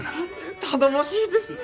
頼もしいです！